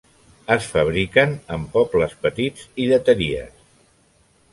Es fabriquen en pobles petits i lleteries.